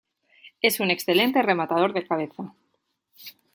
Es un excelente rematador de cabeza.